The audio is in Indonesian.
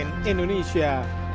tim liputan cnn indonesia